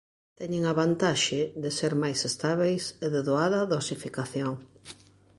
Teñen a vantaxe de ser más estábeis e de doada dosificación.